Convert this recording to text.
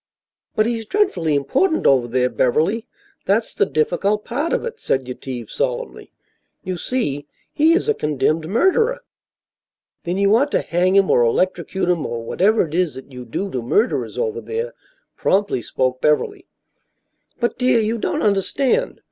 "But he's dreadfully important over there, Beverly; that's the difficult part of it," said Yetive, solemnly. "You see, he is a condemned murderer." "Then, you ought to hang him or electrocute him or whatever it is that you do to murderers over there," promptly spoke Beverly. "But, dear, you don't understand.